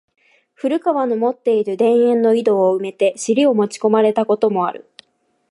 古川の持つて居る田圃の井戸を埋めて尻を持ち込まれた事もある。